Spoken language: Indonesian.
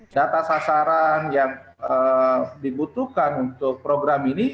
data sasaran yang dibutuhkan untuk program ini